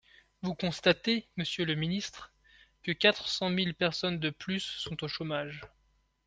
Vous constatez, monsieur le ministre, que quatre cent mille personnes de plus sont au chômage.